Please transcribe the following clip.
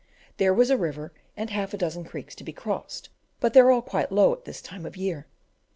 There was a river and half a dozen creeks to be crossed; but they are all quite low at this time of year.